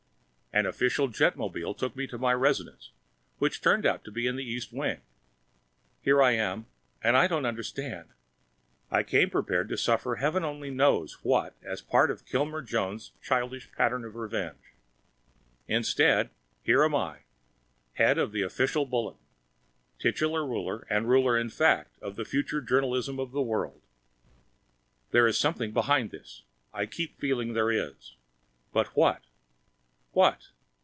An official jetmobile took me to my residence which turned out to be in the East Wing. Here I am, and I don't understand. I came prepared to suffer heaven only knows what as part of Kilmer Jones's childish pattern for revenge. Instead, here I am, head of the Official Bulletin, titular ruler and ruler in fact of the future journalism of the world! There is something behind this I keep feeling there is. But what? What?